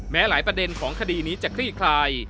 แม้หลายประเด็นของคดีนี้จะคลี่คลาย